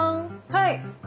はい。